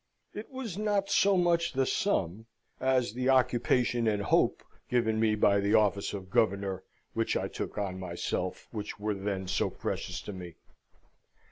It was not so much the sum, as the occupation and hope given me by the office of Governor, which I took on myself, which were then so precious to me.